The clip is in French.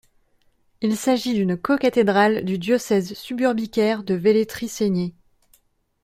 Il s'agit d'une co-cathédrale du diocèse suburbicaire de Velletri-Segni.